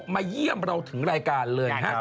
มาเยี่ยมเราถึงรายการเลยฮะ